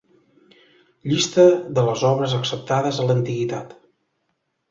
Llista de les obres acceptades a l'antiguitat: